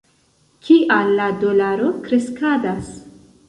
Kial la dolaro kreskadas?